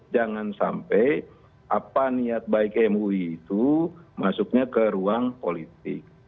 jangan sampai apa niat baik mui itu masuknya ke ruang politik